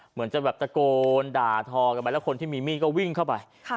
เหมือนจะแบบตะโกนด่าทอกันไปแล้วคนที่มีมีดก็วิ่งเข้าไป